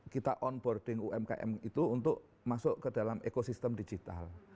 kita onboarding umkm itu untuk masuk ke dalam ekosistem digital